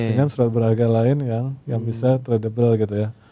dengan surat berharga lain yang bisa tradable gitu ya